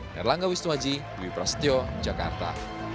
nirlangga wisnuaji wipra setio jakarta